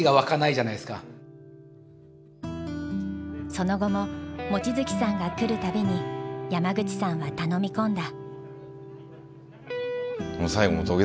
その後も望月さんが来る度に山口さんは頼み込んだ。